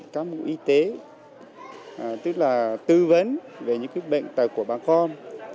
các bộ y tế tức là tư vấn về những bệnh tật của bà con